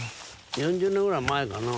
４０年ぐらい前かな。